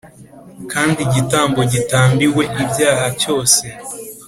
Kandi igitambo gitambiwe ibyaha cyose